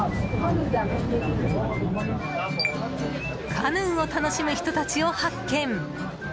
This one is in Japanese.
カヌーを楽しむ人たちを発見。